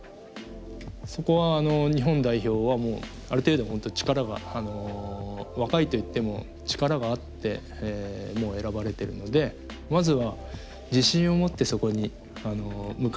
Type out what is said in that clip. そこは日本代表はもうある程度本当に力が若いと言っても力があって選ばれてるのでまずは自信を持ってそこに向かっていけるように。